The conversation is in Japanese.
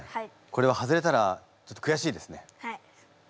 これは外れたらちょっとくやしいですね。